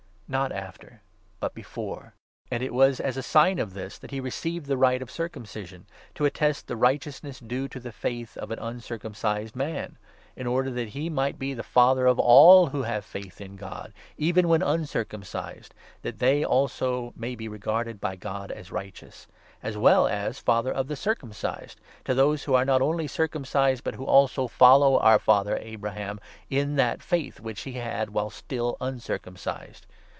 Not after, but before. And it 1 1 was as a sign of this that he received the rite of circumcision — to attest the righteousness due to the faith of an uncircum cised man — in order that he might be the father of all who have faith in God even when uncircumcised, that they also may be regarded by God as righteous ; as well as father of 12 the circumcised — to those who are not only circumcised, but who also follow our father Abraham in that faith which he had while still uncircumcised.